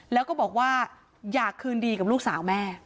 แล้วก็บอกว่าอยากคืนดีกับลูกสาวแม่